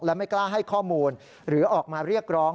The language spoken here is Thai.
และไม่กล้าให้ข้อมูลหรือออกมาเรียกร้อง